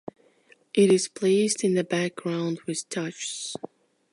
It is placed in the back ground with touches.